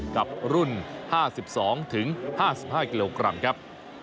กับรุ่น๕๒๕๕กิโลกรัมครับ